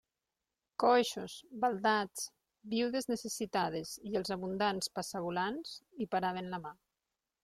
Coixos, baldats, viudes necessitades i els abundants passavolants, hi paraven la mà.